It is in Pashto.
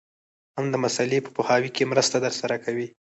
هم د مسألې په پوهاوي کي مرسته درسره کوي.